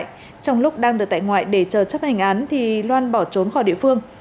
trong lúc đang được tại ngoại để chờ chấp hành án thì loan bỏ trốn khỏi địa phương